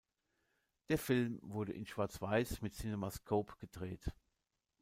Der Film wurde in Schwarz-Weiß mit Cinemascope gedreht.